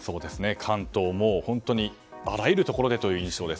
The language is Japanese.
関東も本当にあらゆるところでという印象です。